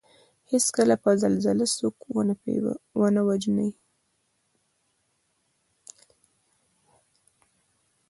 هېڅکله به زلزله څوک ونه وژني